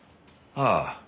ああ。